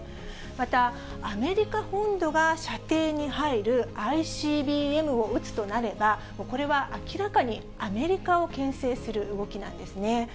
また、アメリカ本土が射程に入るＩＣＢＭを撃つとなれば、これは明らかにアメリカをけん制する動きなんですね。